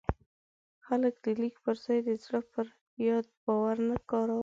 خلک د لیک پر ځای د زړه پر یاد باور نه کاوه.